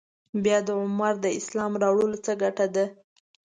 بیا د عمر د اسلام راوړلو څه ګټه ده.